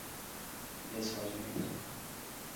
desfazimento